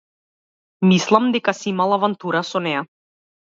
Мислам дека си имал авантура со неа.